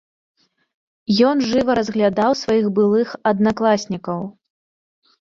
Ён жыва разглядаў сваіх былых аднакласнікаў.